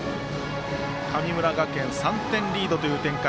神村学園、３点リードという展開。